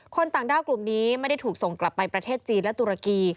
ต่างด้าวกลุ่มนี้ไม่ได้ถูกส่งกลับไปประเทศจีนและตุรกี